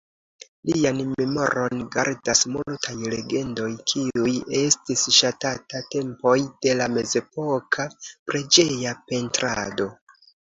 Lian memoron gardas multaj legendoj, kiuj estis ŝatataj tempoj de la mezepoka preĝeja pentrado.